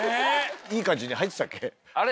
いい感じに入ってたっけ？